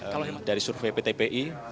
kalau hemat dari survei pt pi